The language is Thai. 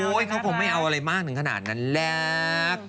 โอ๊ยเขาผมไม่เอาอะไรมากนึงขนาดนั้นแหละ